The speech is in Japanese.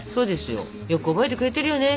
よく覚えてくれてるよね